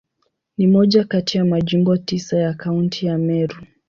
Ni moja kati ya Majimbo tisa ya Kaunti ya Meru.